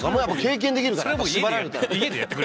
家でできるから。